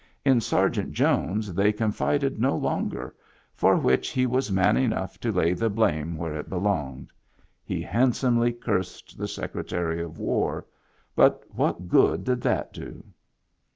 In Sergeant Jones they confided no longer, for which he was man enough to lay the blame where it belonged. He handsomely cursed the Secretary of War, but what good did that do